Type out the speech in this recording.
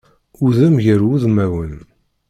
Udem gar wudmawen.